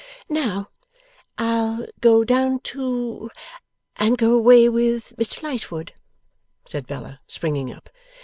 'Now, I'll go down to, and go away with, Mr Lightwood,' said Bella, springing up.